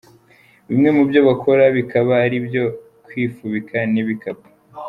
Bimwe mu byo bakora bikaba ari ibyo kwifubika n’ibikapu.